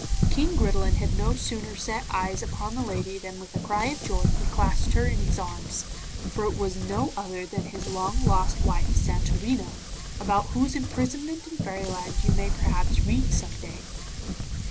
King Gridelin had no sooner set eyes upon the lady than with a cry of joy he clasped her in his arms, for it was no other than his long lost wife, Santorina, about whose imprisonment in Fairyland you may perhaps read some day.